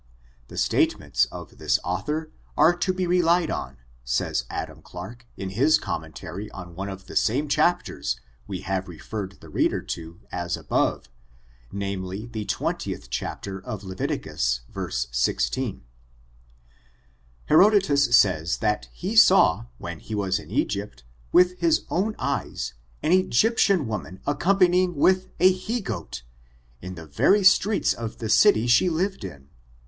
The statements of this author are to be relied on, says Adam Clarke, in his commentary on one of the same chapters we have referred the reader to as above, namely, the xxth of Leviticus, verse .16. Herodotus says that he saw, when he was in Egypt, with his own eyes, an Egyptian woman accompany ing with a he goat, in the very streets of the city she lived in.